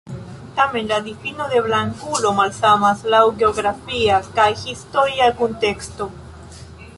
Tamen, la difino de "blankulo" malsamas laŭ geografia kaj historia kunteksto.